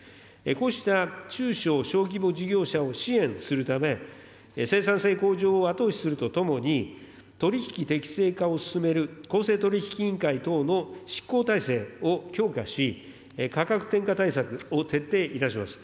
こうした中小・小規模事業者を支援するため、生産性向上を後押しするとともに、取り引き適正化を進める公正取引委員会等の執行体制を強化し、価格転嫁対策を徹底いたします。